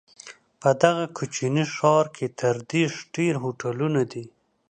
په دغه کوچني ښار کې تر دېرش ډېر هوټلونه دي.